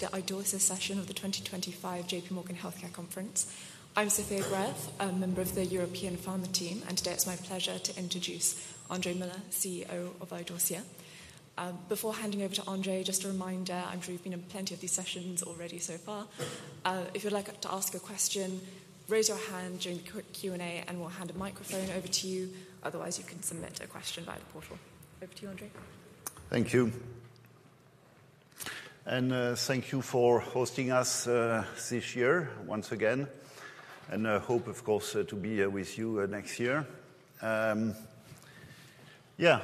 To the Idorsia session of the 2025 J.P. Morgan Healthcare Conference. I'm Sophie Brey, a member of the European Pharma team, and today it's my pleasure to introduce André Muller, CFO of Idorsia. Before handing over to André, just a reminder, I'm sure you've been in plenty of these sessions already so far. If you'd like to ask a question, raise your hand during the Q&A and we'll hand a microphone over to you. Otherwise, you can submit a question via the portal. Over to you, André. Thank you and thank you for hosting us this year once again, and I hope, of course, to be with you next year. Yeah,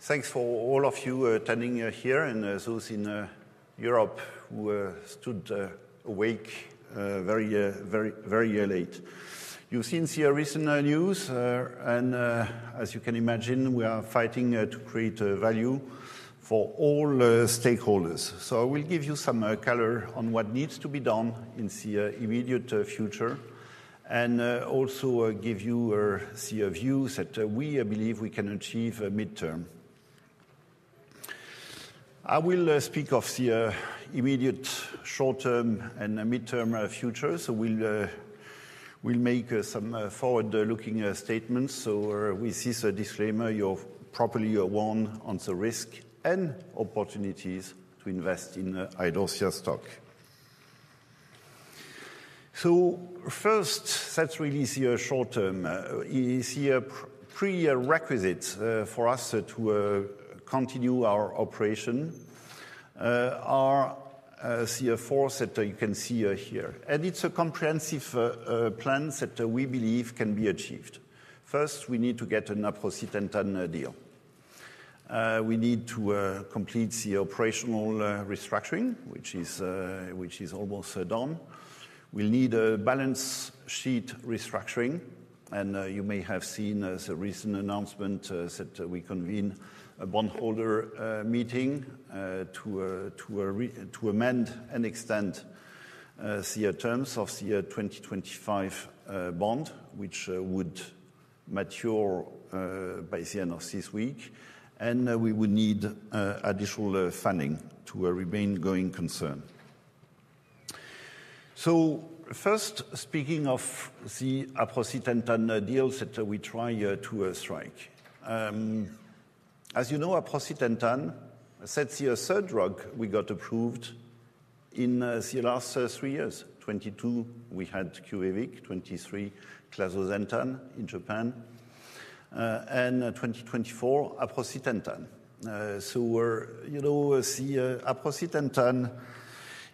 thanks for all of you attending here and those in Europe who stayed awake very, very late. You've seen us in the news, and as you can imagine, we are fighting to create value for all stakeholders. So I will give you some color on what needs to be done in the immediate future and also give you our views that we believe we can achieve midterm. I will speak of the immediate short-term and midterm futures, so we'll make some forward-looking statements. So with this disclaimer, you're properly warned on the risks and opportunities to invest in Idorsia stock. So first, that's really our short-term. Covenant pre-requisites for us to continue our operation are the four that you can see here, and it's a comprehensive plan that we believe can be achieved. First, we need to get an Aprocitentan deal. We need to complete the operational restructuring, which is almost done. We'll need a balance sheet restructuring, and you may have seen the recent announcement that we convened a bondholder meeting to amend and extend the terms of the 2025 bond, which would mature by the end of this week, and we would need additional funding to remain going concern. First, speaking of the Aprocitentan deals that we try to strike. As you know, Aprocitentan is the third drug we got approved in the last three years. 2022, we had QUVIVIQ, 2023, Clazosentan in Japan, and 2024, Aprocitentan. So aprocitentan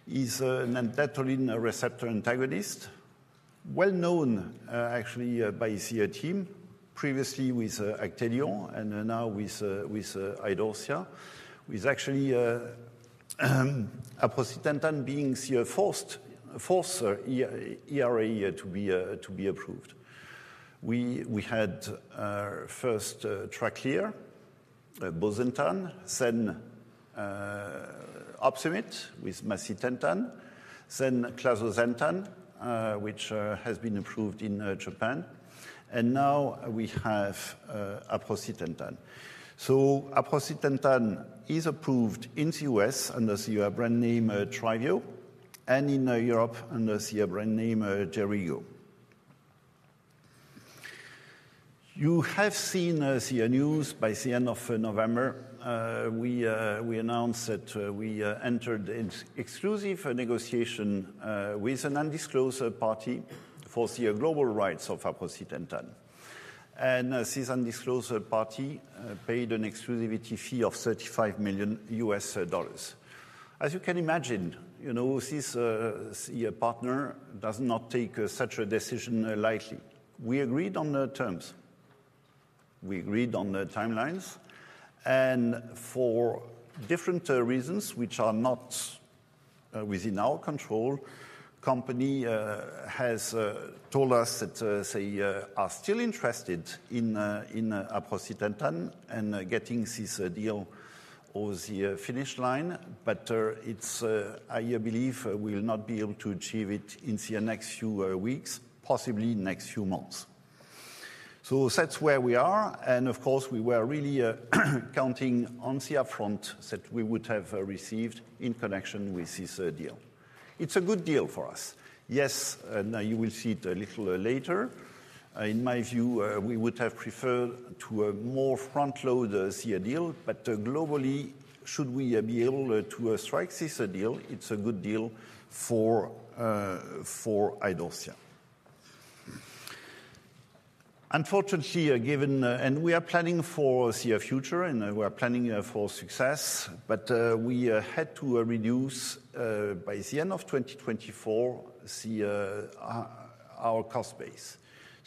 is an endothelin receptor antagonist, well known actually by our team, previously with Actelion and now with Idorsia, with actually aprocitentan being the first ERA to be approved. We had first Tracleer, Bosentan, then Opsumit with macitentan, then clazosentan, which has been approved in Japan, and now we have aprocitentan. So aprocitentan is approved in the U.S. under the brand name TRYVIO and in Europe under the brand name JERAYGO. You have seen our news by the end of November. We announced that we entered exclusive negotiation with an undisclosed party for the global rights of aprocitentan, and this undisclosed party paid an exclusivity fee of $35 million. As you can imagine, you know, this partner does not take such a decision lightly. We agreed on the terms. We agreed on the timelines, and for different reasons which are not within our control, the company has told us that they are still interested in an appropriate entrant and getting this deal over the finish line, but I believe we'll not be able to achieve it in the next few weeks, possibly next few months, so that's where we are, and of course, we were really counting on the upfront that we would have received in connection with this deal. It's a good deal for us. Yes, and you will see it a little later. In my view, we would have preferred to a more front-load CRS deal, but globally, should we be able to strike this deal, it's a good deal for Idorsia. Unfortunately, we are planning for our future and for success, but we had to reduce by the end of 2024 our cost base.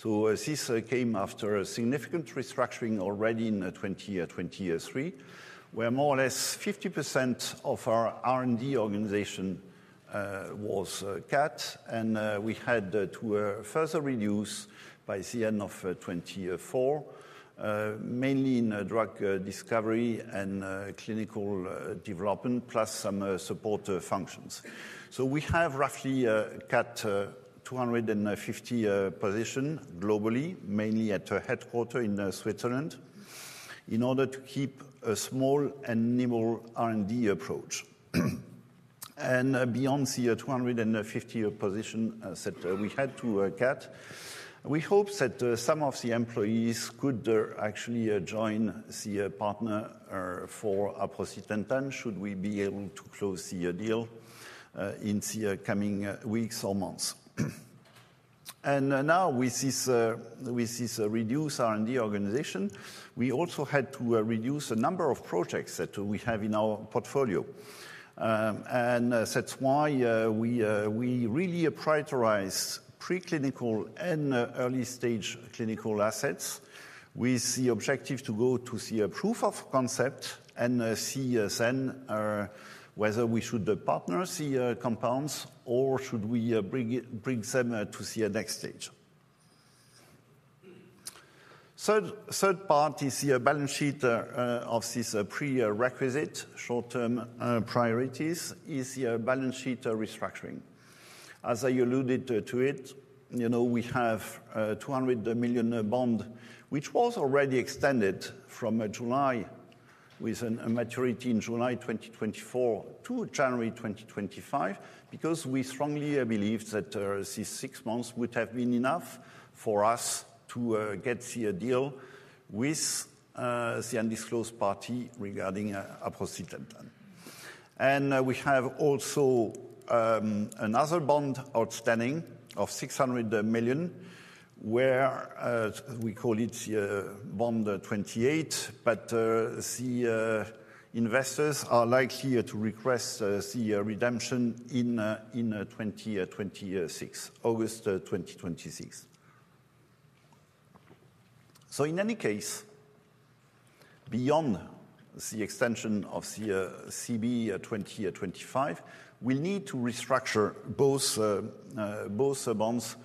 This came after a significant restructuring already in 2023, where more or less 50% of our R&D organization was cut, and we had to further reduce by the end of 2024, mainly in drug discovery and clinical development, plus some support functions. We have roughly cut 250 positions globally, mainly at our headquarters in Switzerland, in order to keep a small and nimble R&D approach. Beyond the 250 positions that we had to cut, we hope that some of the employees could actually join the partner for aprocitentan should we be able to close the deal in the coming weeks or months. Now, with this reduced R&D organization, we also had to reduce the number of projects that we have in our portfolio, and that's why we really prioritize preclinical and early-stage clinical assets with the objective to go to the proof of concept and see then whether we should partner the compounds or should we bring them to the next stage. The third part of these prerequisite short-term priorities is the balance sheet restructuring. As I alluded to it, you know, we have 200 million bond, which was already extended from July with a maturity in July 2024 to January 2025, because we strongly believe that these six months would have been enough for us to get the deal with the undisclosed party regarding aprocitentan. And we have also another bond outstanding of 600 million, where we call it bond 28, but the investors are likely to request the redemption in 2026, August 2026. So in any case, beyond the extension of the CB 2025, we'll need to restructure both bonds,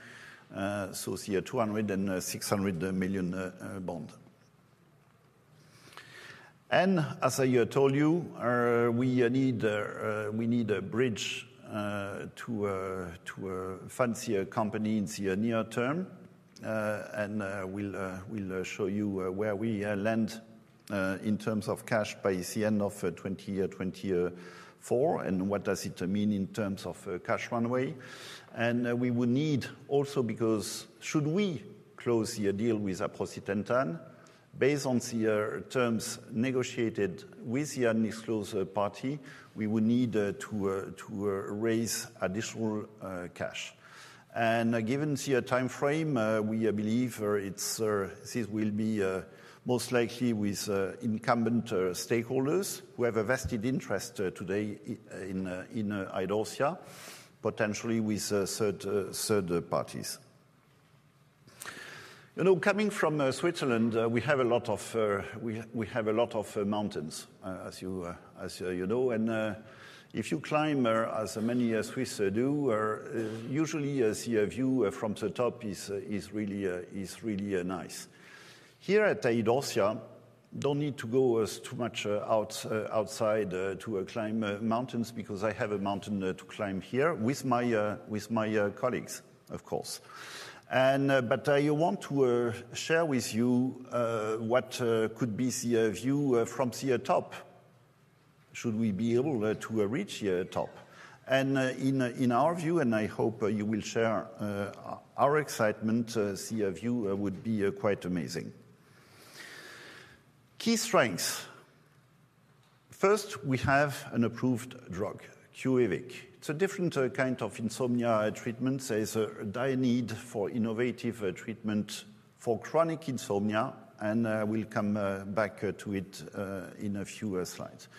so the 200 million and 600 million bond. And as I told you, we need a bridge to fund the company in the near term, and we'll show you where we land in terms of cash by the end of 2024 and what does it mean in terms of cash runway. And we will need also, because should we close the deal with aprocitentan, based on the terms negotiated with the undisclosed party, we will need to raise additional cash. Given the time frame, we believe this will be most likely with incumbent stakeholders who have a vested interest today in Idorsia, potentially with third parties. You know, coming from Switzerland, we have a lot of, we have a lot of mountains, as you know, and if you climb as many Swiss do, usually the view from the top is really nice. Here at Idorsia, don't need to go too much outside to climb mountains because I have a mountain to climb here with my colleagues, of course. I want to share with you what could be the view from the top, should we be able to reach the top. In our view, and I hope you will share our excitement, the view would be quite amazing. Key strengths. First, we have an approved drug, QUVIVIQ. It's a different kind of insomnia treatment. There's a need for innovative treatment for chronic insomnia, and we'll come back to it in a few slides.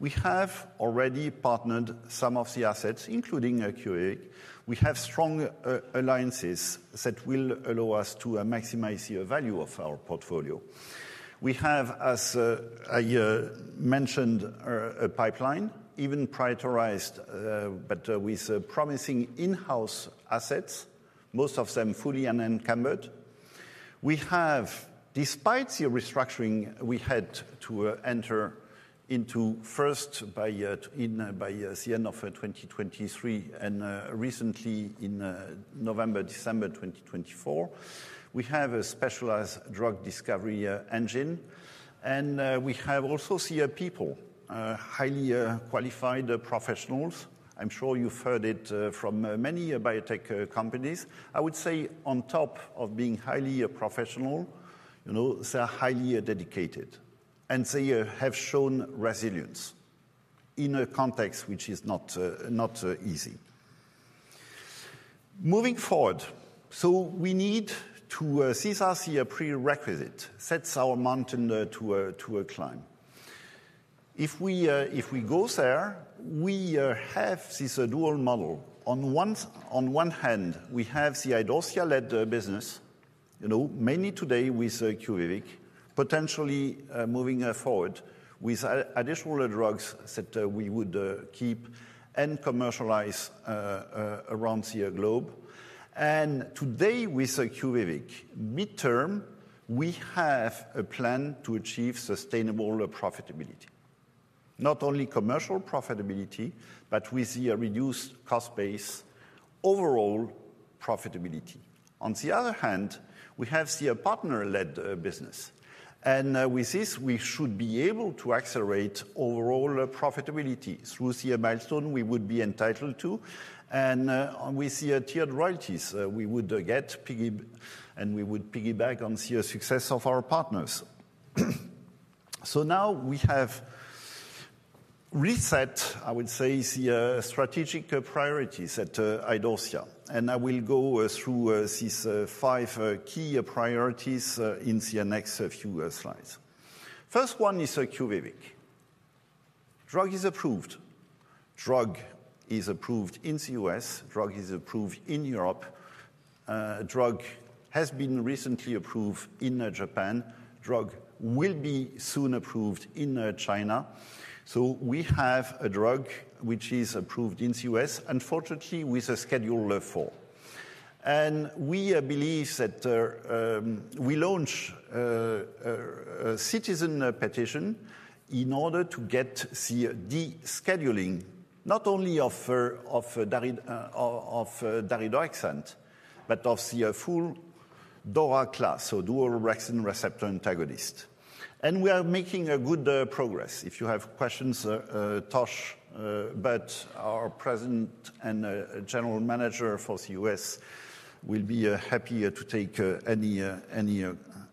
We have already partnered some of the assets, including QUVIVIQ. We have strong alliances that will allow us to maximize the value of our portfolio. We have, as I mentioned, a pipeline, even prioritized, but with promising in-house assets, most of them fully unencumbered. We have, despite the restructuring, we had to enter into RIFs by the end of 2023 and recently in November, December 2024. We have a specialized drug discovery engine, and we have also our R&D people, highly qualified professionals. I'm sure you've heard it from many biotech companies. I would say on top of being highly professional, you know, they're highly dedicated and they have shown resilience in a context which is not easy. Moving forward, we need to see if the prerequisite sets our momentum to climb. If we get there, we have this dual model. On one hand, we have the Idorsia-led business, you know, mainly today with QUVIVIQ, potentially moving forward with additional drugs that we would keep and commercialize around the globe. And today with QUVIVIQ, mid-term, we have a plan to achieve sustainable profitability, not only commercial profitability, but with a reduced cost base, overall profitability. On the other hand, we have the partner-led business, and with this, we should be able to accelerate overall profitability through the milestones we would be entitled to. And with the tiered royalties, we would get piggy and we would piggyback on the success of our partners. So now we have reset, I would say, the strategic priorities at Idorsia, and I will go through these five key priorities in the next few slides. First one is QUVIVIQ. Drug is approved. Drug is approved in the U.S. Drug is approved in Europe. Drug has been recently approved in Japan. Drug will be soon approved in China. So we have a drug which is approved in the U.S., unfortunately with a Schedule IV. And we believe that we launch a citizen petition in order to get the de-scheduling, not only of daridorexant, but of the full DORA class, so dual orexin receptor antagonist. And we are making good progress. If you have questions, Tosh Butt our President and General Manager for the U.S. will be happy to take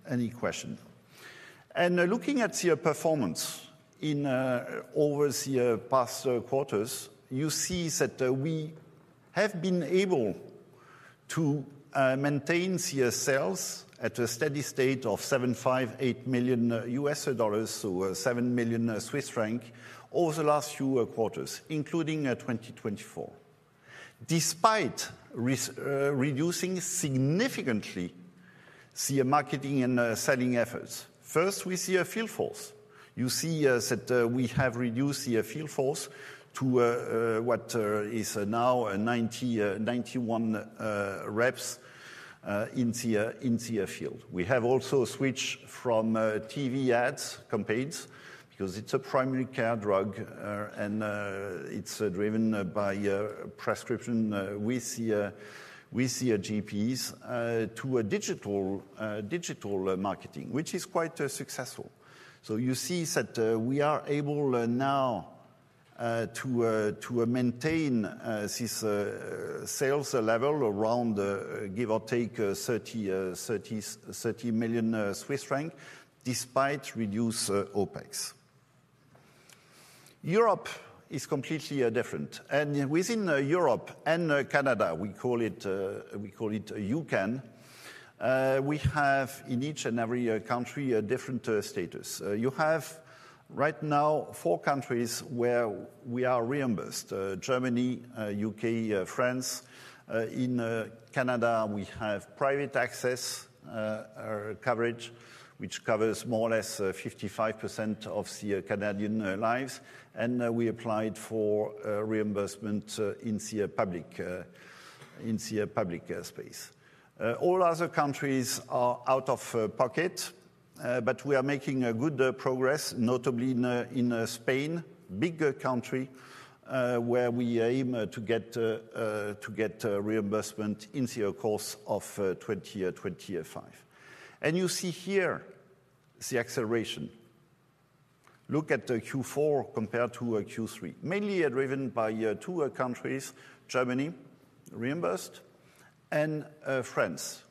any question. Looking at the performance in over the past quarters, you see that we have been able to maintain the sales at a steady state of $758 million, so 7 million Swiss franc over the last few quarters, including 2024. Despite reducing significantly the marketing and selling efforts, first, with the field force, you see that we have reduced the field force to what is now 91 reps in the field. We have also switched from TV ads campaigns because it is a primary care drug and it is driven by prescription with the GPs to digital marketing, which is quite successful. You see that we are able now to maintain this sales level around, give or take, 30 million Swiss francs despite reduced OpEx. Europe is completely different. Within Europe and Canada, we call it UCAN. We have in each and every country a different status. You have right now four countries where we are reimbursed: Germany, U.K., France. In Canada, we have private access coverage, which covers more or less 55% of the Canadian lives, and we applied for reimbursement in the public space. All other countries are out of pocket, but we are making good progress, notably in Spain, a big country where we aim to get reimbursement in the course of 2025, and you see here the acceleration. Look at Q4 compared to Q3, mainly driven by two countries: Germany reimbursed and France.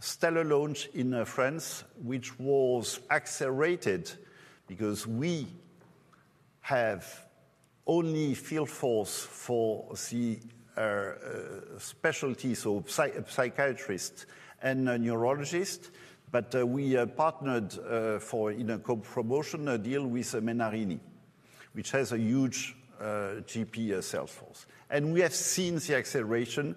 Stellar launch in France, which was accelerated because we have only field force for the specialties, so psychiatrists and neurologists, but we partnered for in a co-promotion deal with Menarini, which has a huge GP sales force, and we have seen the acceleration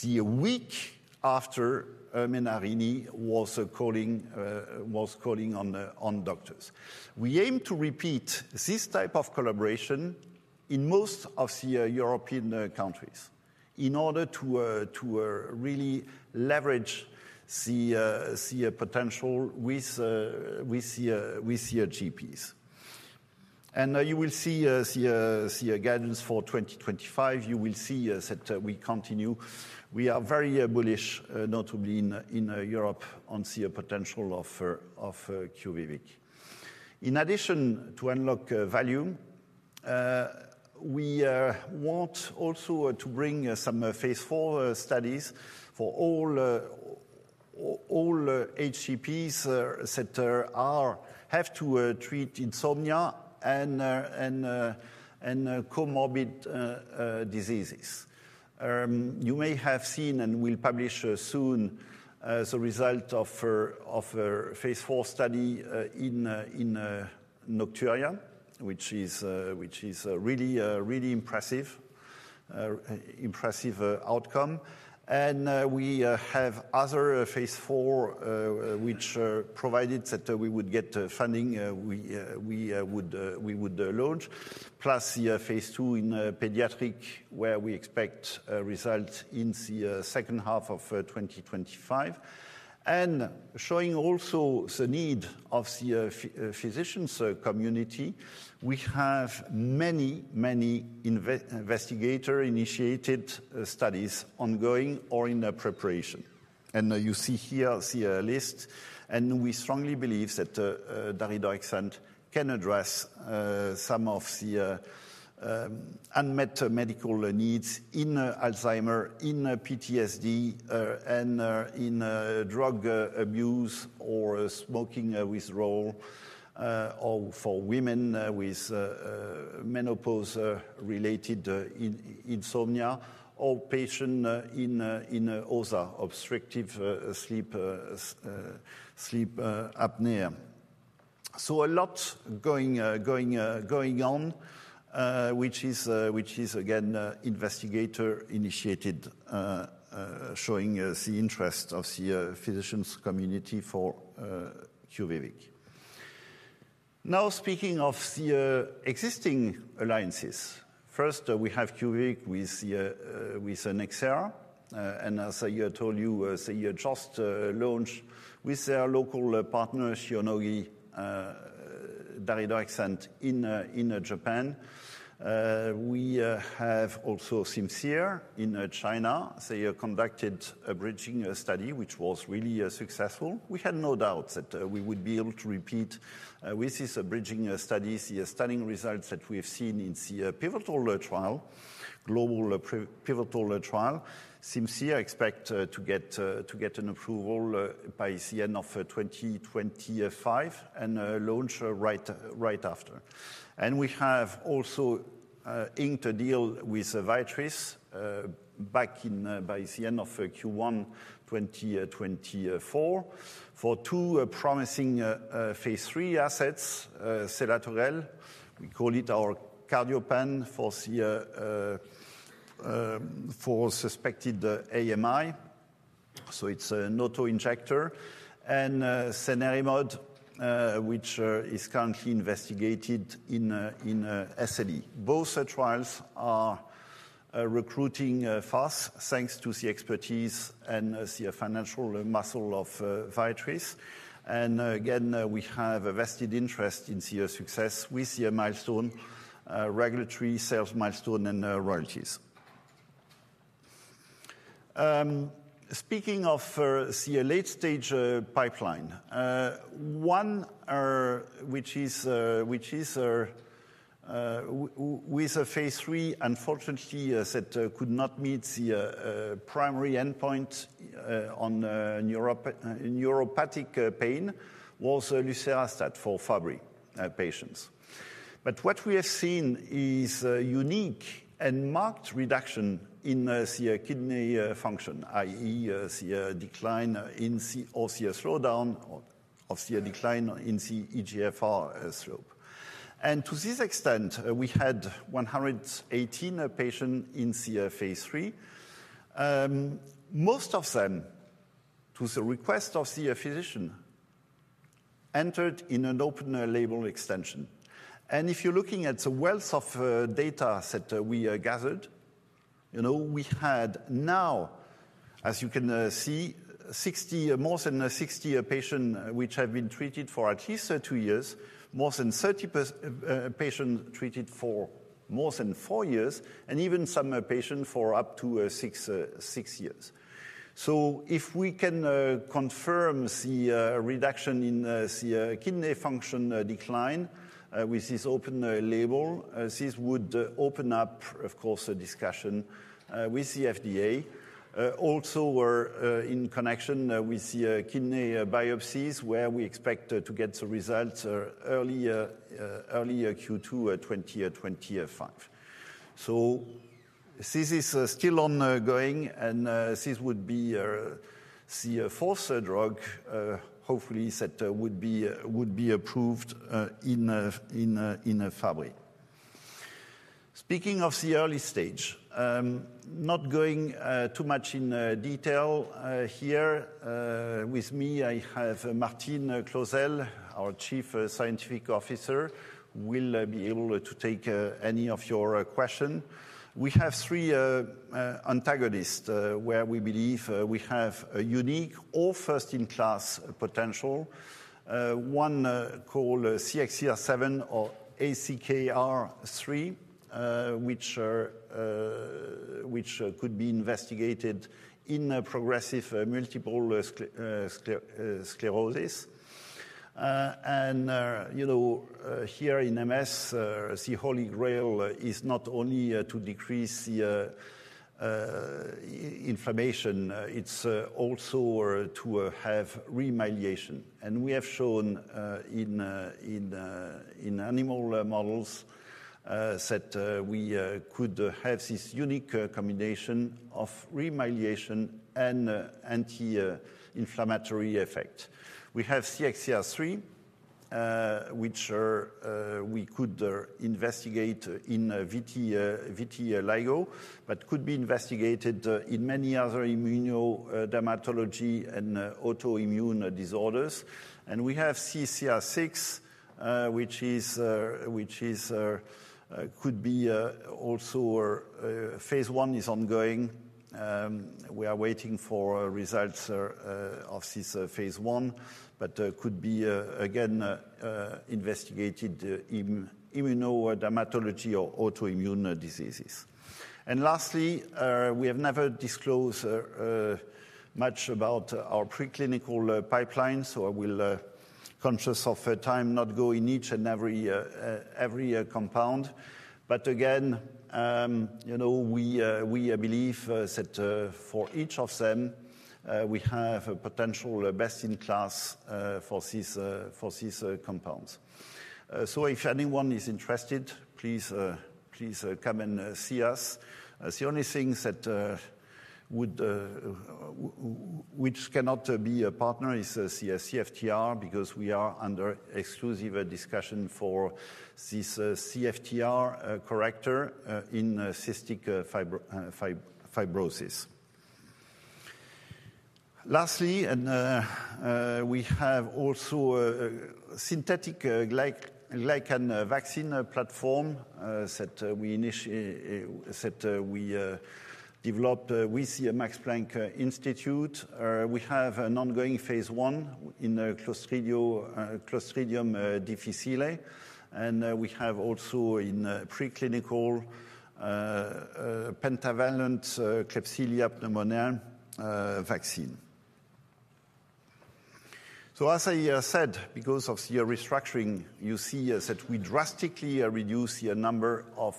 the week after Menarini was calling on doctors. We aim to repeat this type of collaboration in most of the European countries in order to really leverage the potential with the GPs. And you will see the guidance for 2025. You will see that we continue. We are very bullish, notably in Europe, on the potential of QUVIVIQ. In addition to unlock value, we want also to bring some phase four studies for all HCPs that have to treat insomnia and comorbid diseases. You may have seen and will publish soon the result of a phase four study in nocturia, which is really an impressive outcome. And we have other phase four, which provided that we would get funding, we would launch, plus the phase two in pediatric, where we expect results in the second half of 2025. And showing also the need of the physicians' community, we have many, many investigator-initiated studies ongoing or in preparation. You see here the list, and we strongly believe that daridorexant can address some of the unmet medical needs in Alzheimer's, in PTSD, and in drug abuse or smoking withdrawal, or for women with menopause-related insomnia, or patients in OSA, Obstructive Sleep Apnea. So a lot going on, which is, again, investigator-initiated, showing the interest of the physicians' community for QUVIVIQ. Now, speaking of the existing alliances, first, we have QUVIVIQ with Nxera, and as I told you, they just launched with their local partner, Shionogi, daridorexant in Japan. We have also Simcere in China. They conducted a bridging study, which was really successful. We had no doubt that we would be able to repeat with this bridging study the stunning results that we've seen in the pivotal trial, global pivotal trial. Simcere expects to get an approval by the end of 2025 and launch right after. We have also inked a deal with Viatris back in by the end of Q1 2024 for two promising phase 3 assets, Selatogrel. We call it our cardio pen for suspected AMI, so it's an auto injector, and cenerimod, which is currently investigated in SLE. Both trials are recruiting fast thanks to the expertise and the financial muscle of Viatris. We have a vested interest in the success with the milestone, regulatory sales milestone, and royalties. Speaking of the late-stage pipeline, one which is with phase 3, unfortunately, that could not meet the primary endpoint on neuropathic pain was lucerastat for Fabry patients. What we have seen is a unique and marked reduction in the kidney function, i.e., the decline in or the slowdown of the decline in the eGFR slope. To this extent, we had 118 patients in phase 3. Most of them, to the request of the physician, entered in an open label extension. And if you're looking at the wealth of data that we gathered, you know, we had now, as you can see, more than 60 patients which have been treated for at least two years, more than 30 patients treated for more than four years, and even some patients for up to six years. So if we can confirm the reduction in the kidney function decline with this open label, this would open up, of course, a discussion with the FDA. Also, we're in connection with the kidney biopsies where we expect to get the results early Q2 2025. So this is still ongoing, and this would be the fourth drug, hopefully, that would be approved in Fabry. Speaking of the early stage, not going too much in detail here, with me, I have Martine Clozel, our Chief Scientific Officer, who will be able to take any of your questions. We have three antagonists where we believe we have a unique or first-in-class potential, one called CXCR7 or ACKR3, which could be investigated in progressive multiple sclerosis. And here in MS, the Holy Grail is not only to decrease the inflammation, it's also to have remyelination. And we have shown in animal models that we could have this unique combination of remyelination and anti-inflammatory effect. We have CXCR3, which we could investigate in vitiligo, but could be investigated in many other immunodermatology and autoimmune disorders. And we have CCR6, which could be also phase one is ongoing. We are waiting for results of this phase one, but could be, again, investigated in immunodermatology or autoimmune diseases. Lastly, we have never disclosed much about our preclinical pipeline, so I will, conscious of time, not go in each and every compound. Again, we believe that for each of them, we have a potential best-in-class for these compounds. If anyone is interested, please come and see us. The only thing which cannot be a partner is the CFTR because we are under exclusive discussion for this CFTR corrector in cystic fibrosis. Lastly, we have also a synthetic glycan vaccine platform that we developed with the Max Planck Institute. We have an ongoing phase one in Clostridium difficile, and we have also in preclinical pentavalent Klebsiella pneumoniae vaccine. As I said, because of the restructuring, you see that we drastically reduced the number of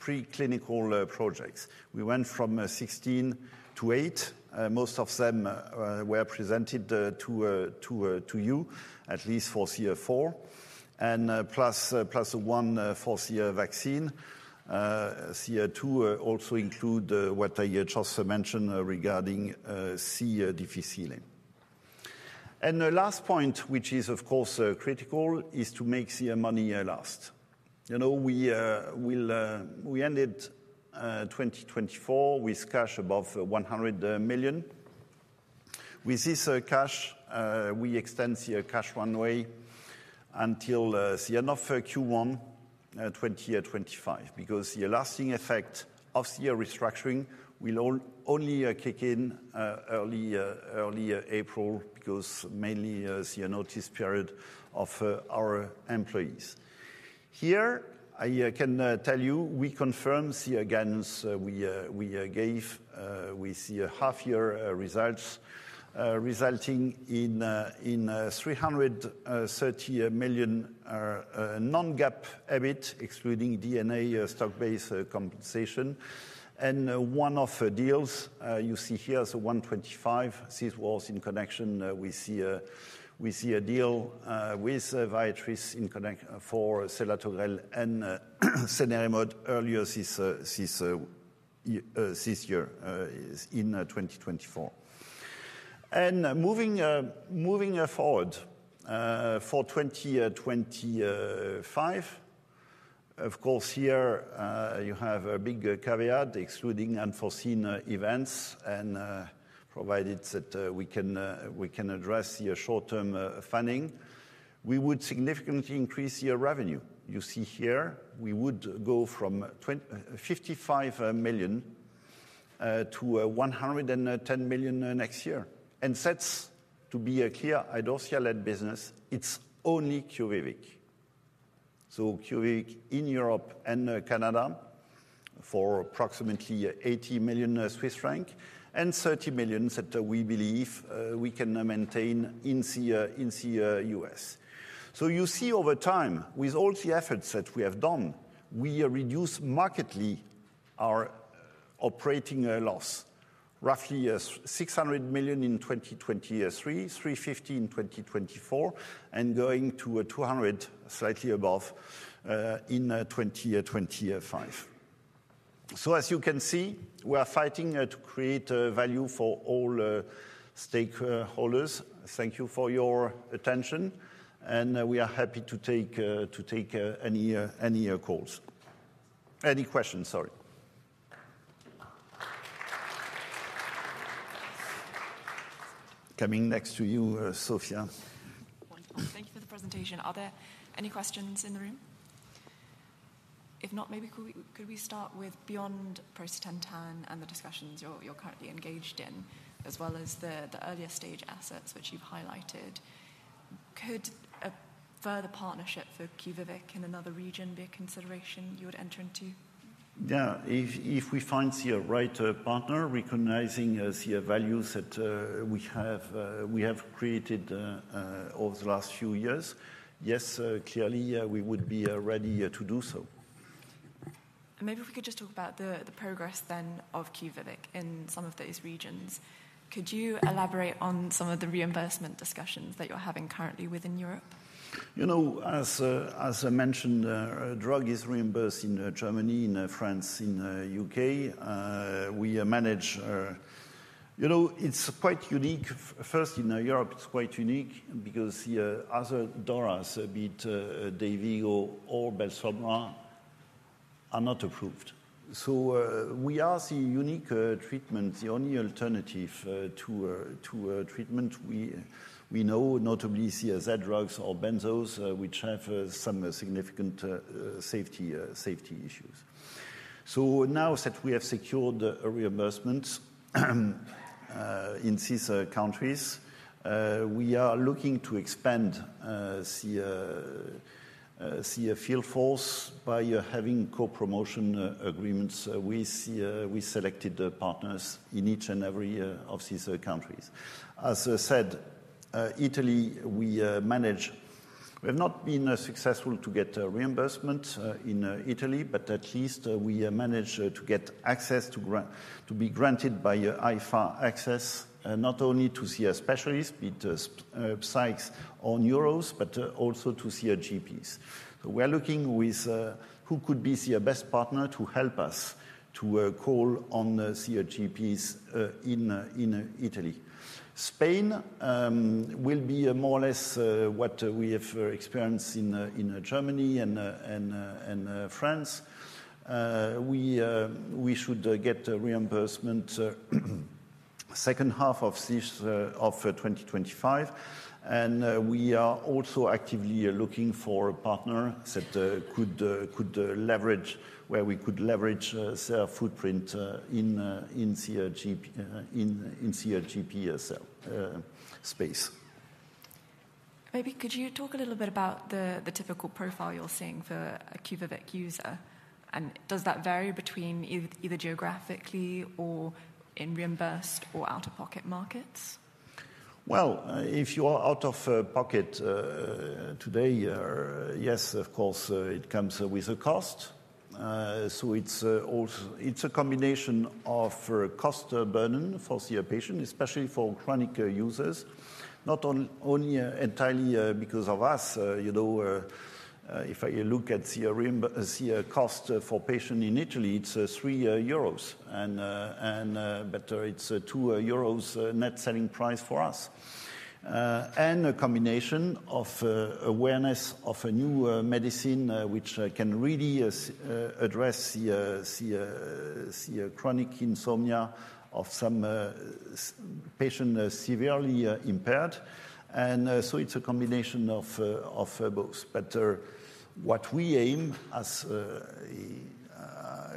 preclinical projects. We went from 16 to 8. Most of them were presented to you, at least for CF4, and plus one for CF vaccine. CF2 also includes what I just mentioned regarding C. difficile. The last point, which is, of course, critical, is to make the money last. We ended 2024 with cash above 100 million. With this cash, we extend the cash runway until the end of Q1 2025 because the lasting effect of the restructuring will only kick in early April because mainly the notice period of our employees. Here, I can tell you, we confirmed the guidance we gave with the half-year results, resulting in 330 million non-GAAP EBIT, excluding non-cash stock-based compensation. One of the deals you see here, so 125 million, this was in connection with the deal with Viatris for selatogrel and cenerimod earlier this year in 2024. Moving forward for 2025, of course, here you have a big caveat, excluding unforeseen events, and provided that we can address the short-term funding, we would significantly increase the revenue. You see here, we would go from 55 million to 110 million next year. That's to be clear, Idorsia-led business, it's only QUVIVIQ. So QUVIVIQ in Europe and Canada for approximately 80 million Swiss francs and 30 million that we believe we can maintain in the US. You see over time, with all the efforts that we have done, we reduce markedly our operating loss, roughly 600 million in 2023, 350 million in 2024, and going to 200 million, slightly above, in 2025. As you can see, we are fighting to create value for all stakeholders. Thank you for your attention, and we are happy to take any calls. Any questions, sorry. Coming next to you, Sophie. Thank you for the presentation. Are there any questions in the room? If not, maybe could we start with beyond aprocitentan and the discussions you're currently engaged in, as well as the earlier stage assets which you've highlighted. Could a further partnership for QUVIVIQ in another region be a consideration you would enter into? Yeah, if we find the right partner, recognizing the values that we have created over the last few years, yes, clearly, we would be ready to do so. Maybe if we could just talk about the progress then of QUVIVIQ in some of these regions. Could you elaborate on some of the reimbursement discussions that you're having currently within Europe? You know, as I mentioned, drug is reimbursed in Germany, in France, in the U.K. We manage, you know, it's quite unique. First, in Europe, it's quite unique because the other DORAs, be it Dayvigo or Belsomra, are not approved. So we are the unique treatment, the only alternative to treatment. We know, notably, Z drugs or Benzos, which have some significant safety issues. So now that we have secured reimbursements in these countries, we are looking to expand the field force by having co-promotion agreements with selected partners in each and every of these countries. As I said, Italy, we manage, we have not been successful to get reimbursement in Italy, but at least we manage to get access to be granted by AIFA access, not only to see a specialist, be it psychs or neuros, but also to see a GPs. So we're looking with who could be the best partner to help us to call on the GPs in Italy. Spain will be more or less what we have experienced in Germany and France. We should get reimbursement second half of 2025, and we are also actively looking for a partner that could leverage where we could leverage their footprint in the GPs space. Maybe could you talk a little bit about the typical profile you're seeing for a QUVIVIQ user? And does that vary between either geographically or in reimbursed or out-of-pocket markets? If you are out of pocket today, yes, of course, it comes with a cost. So it's a combination of cost burden for the patient, especially for chronic users, not only entirely because of us. If I look at the cost for patients in Italy, it's 3 euros, but it's 2 euros net selling price for us. And a combination of awareness of a new medicine which can really address the chronic insomnia of some patients severely impaired. And so it's a combination of both. But what we aim as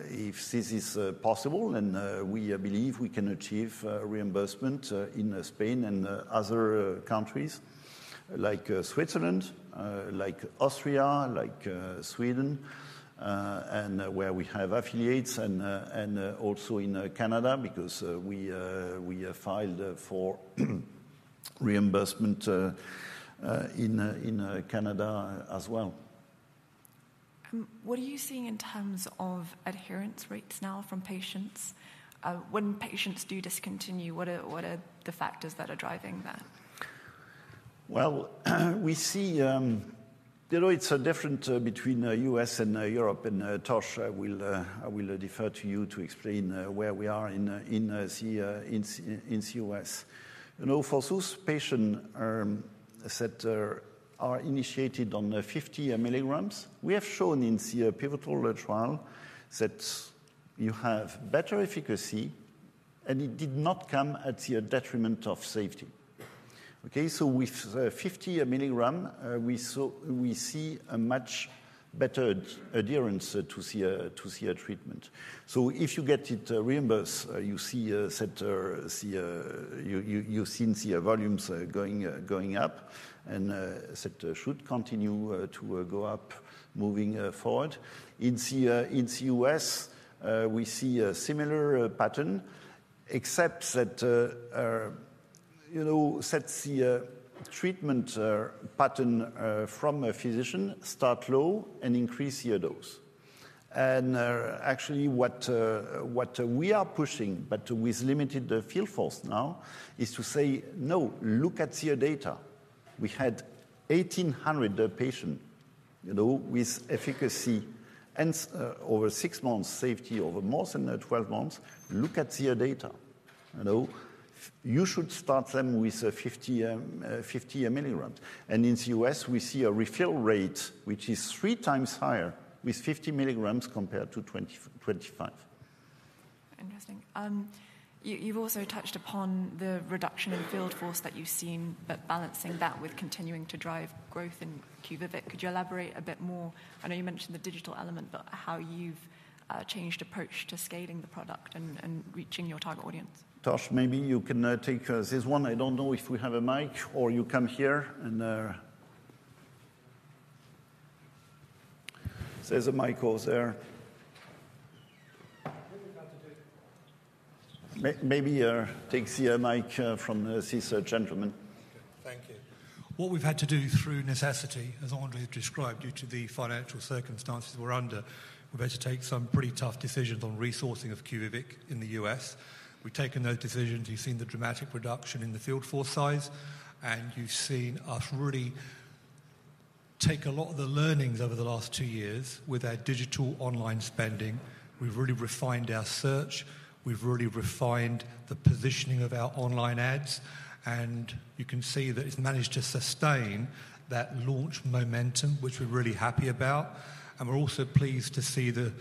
if this is possible, and we believe we can achieve reimbursement in Spain and other countries like Switzerland, like Austria, like Sweden, and where we have affiliates, and also in Canada because we filed for reimbursement in Canada as well. What are you seeing in terms of adherence rates now from patients? When patients do discontinue, what are the factors that are driving that? Well, we see it's different between the US and Europe. And Tosh, I will defer to you to explain where we are in the US. For those patients that are initiated on 50 milligrams, we have shown in the pivotal trial that you have better efficacy, and it did not come at the detriment of safety. So with 50 milligrams, we see a much better adherence to the treatment. So if you get it reimbursed, you see that you've seen the volumes going up, and that should continue to go up moving forward. In the U.S., we see a similar pattern, except that the treatment pattern from a physician starts low and increases the dose. And actually, what we are pushing, but with limited field force now, is to say, no, look at your data. We had 1,800 patients with efficacy and over six months safety over more than 12 months. Look at your data. You should start them with 50 milligrams. And in the US, we see a refill rate, which is three times higher with 50 milligrams compared to 25. Interesting. You've also touched upon the reduction in field force that you've seen, but balancing that with continuing to drive growth in QUVIVIQ. Could you elaborate a bit more? I know you mentioned the digital element, but how you've changed the approach to scaling the product and reaching your target audience? Tosh, maybe you can take this one. I don't know if we have a mic or you come here. There's a mic over there. Maybe take the mic from this gentleman. Thank you. What we've had to do through necessity, as André has described, due to the financial circumstances we're under, we've had to take some pretty tough decisions on resourcing of QUVIVIQ in the US. We've taken those decisions. You've seen the dramatic reduction in the field force size, and you've seen us really take a lot of the learnings over the last two years with our digital online spending. We've really refined our search. We've really refined the positioning of our online ads, and you can see that it's managed to sustain that launch momentum, which we're really happy about, and we're also pleased to see the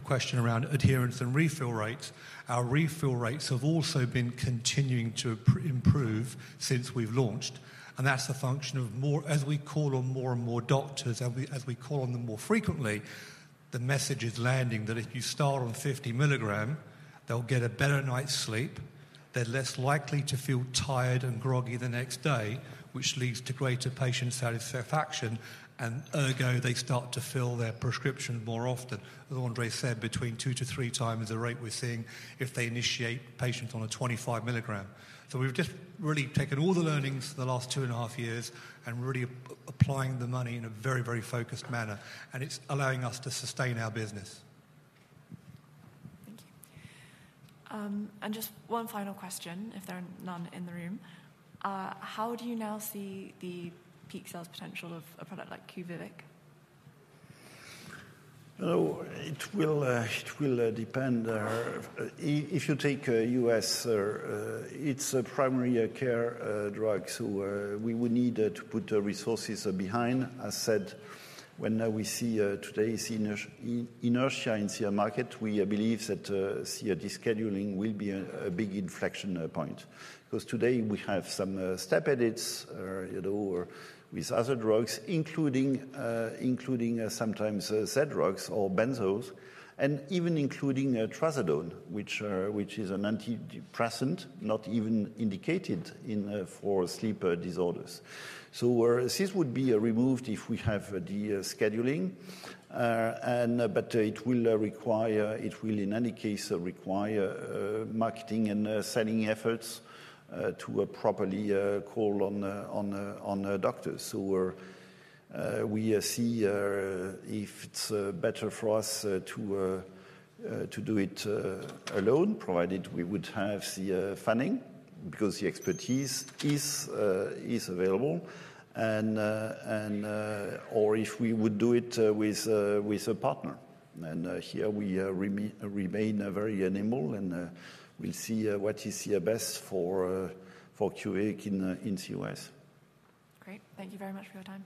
question around adherence and refill rates. Our refill rates have also been continuing to improve since we've launched, and that's a function of, as we call on more and more doctors, as we call on them more frequently, the message is landing that if you start on 50 milligrams, they'll get a better night's sleep. They're less likely to feel tired and groggy the next day, which leads to greater patient satisfaction. Ergo, they start to fill their prescriptions more often. As André said, between two to three times the rate we're seeing if they initiate patients on a 25 milligram. So we've just really taken all the learnings the last two and a half years and really applying the money in a very, very focused manner. And it's allowing us to sustain our business. Thank you. And just one final question, if there are none in the room. How do you now see the peak sales potential of a product like QUVIVIQ? It will depend. If you take U.S., it's a primary care drug. So we would need to put resources behind. As said, when we see today's inertia in the market, we believe that the scheduling will be a big inflection point. Because today, we have some step edits with other drugs, including sometimes Z drugs or Benzos, and even including Trazodone, which is an antidepressant, not even indicated for sleep disorders. So this would be removed if we have the scheduling. But it will require, it will in any case require marketing and selling efforts to properly call on doctors. So we see if it's better for us to do it alone, provided we would have the funding because the expertise is available, or if we would do it with a partner. And here, we remain very nimble and will see what is best for QUVIVIQ in the US. Great. Thank you very much for your time.